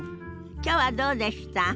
きょうはどうでした？